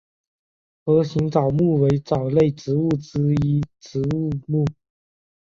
盒形藻目为藻类植物之一植物目。